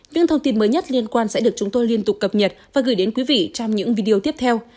những thông tin mới nhất liên quan sẽ được chúng tôi liên tục cập nhật và gửi đến quý vị trong những video tiếp theo